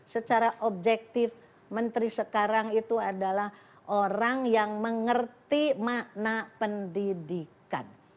secara objektif menteri sekarang itu adalah orang yang mengerti makna pendidikan